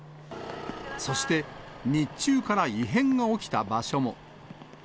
そして、日中から異変が起きた場所も。